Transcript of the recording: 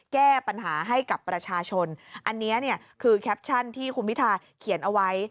แก้ปัญหาให้กับประชาชนอันนี้เนี่ยคือแคปชั่นที่คุณพิทาเขียนเอาไว้